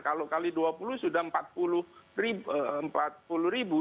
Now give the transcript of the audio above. kalau kali dua puluh sudah empat puluh ribu